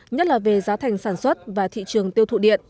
nhất là về giá thành sản xuất và thị trường tiêu thụ điện